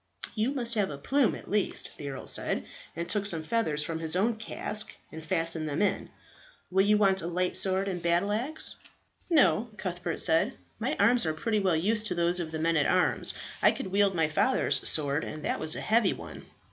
"You must have a plume at least," the earl said, and took some feathers from his own casque and fastened them in. "Will you want a light sword and battle axe?" "No," Cuthbert said, "my arms are pretty well used to those of the men at arms. I could wield my father's sword, and that was a heavy one."